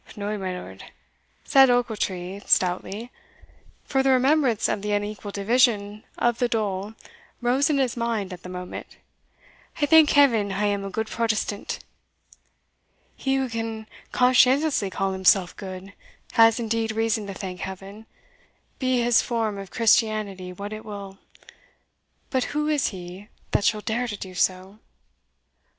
"No, my lord," said Ochiltree stoutly; for the remembrance of the unequal division of the dole rose in his mind at the moment; "I thank Heaven I am a good Protestant." "He who can conscientiously call himself good, has indeed reason to thank Heaven, be his form of Christianity what it will But who is he that shall dare to do so!"